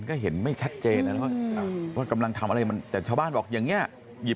ก็เห็นไม่ชัดเจนกับกำลังทำอะไรมาจากชาวบ้านอย่างนี้หยิบ